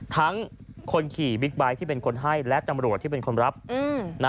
ทั้งคนขี่บิ๊กไบท์ที่เป็นคนให้และตำรวจที่เป็นคนรับ